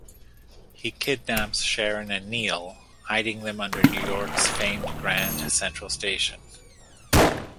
He kidnaps Sharon and Neil, hiding them under New York's famed Grand Central Station.